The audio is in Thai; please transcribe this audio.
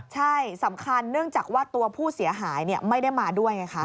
ใช่สำคัญเนื่องจากว่าตัวผู้เสียหายไม่ได้มาด้วยไงคะ